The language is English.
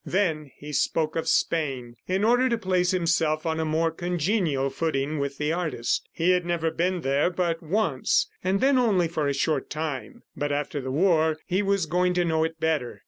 Then he spoke of Spain, in order to place himself on a more congenial footing with the artist. He had never been there but once, and then only for a short time; but after the war, he was going to know it better.